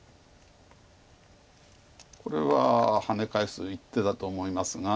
これはハネ返す一手だと思いますが。